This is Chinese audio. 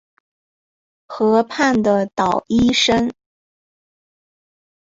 河畔的捣衣声